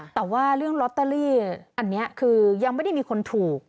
แต่ว่าเรื่องลอตเตอรี่อันนี้คือยังไม่ได้มีคนถูก